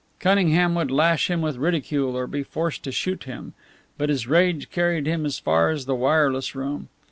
Cunningham would lash him with ridicule or be forced to shoot him. But his rage carried him as far as the wireless room.